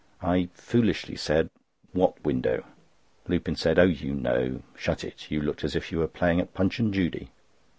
I foolishly said: "What window?" Lupin said: "Oh, you know. Shut it. You looked as if you were playing at Punch and Judy."